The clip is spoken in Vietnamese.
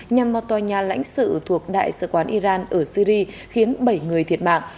nhằm mò tòa nhà lãnh sự thuộc đại sở quán iran ở syri khiến bảy người thiệt mạng